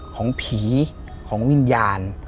ของผีของวิญญาณ